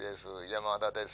山田です